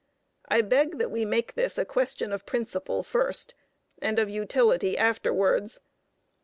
I beg that we make this a question of principle first, and of utility afterwards.